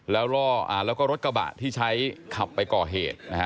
แล้วก็รถกระบะที่ใช้ขับไปก่อเหตุนะฮะ